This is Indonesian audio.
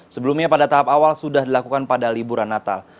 sebelumnya pada tahap awal sudah dilakukan pada liburan natal